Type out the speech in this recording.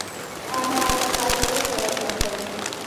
انا له خاطرو سره ژوند کوي